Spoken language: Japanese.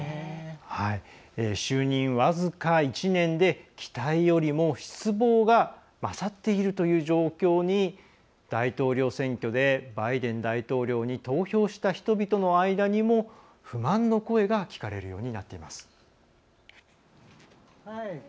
就任、僅か１年で期待よりも失望が勝っているという状況に大統領選挙でバイデン大統領に投票した人々の間にも不満の声が聞かれるようになっています。